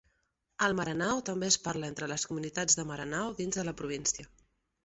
El maranao també es parla entre les comunitats de Maranao dins de la província.